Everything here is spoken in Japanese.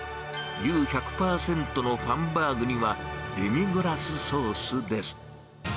牛１００％のハンバーグには、デミグラスソースです。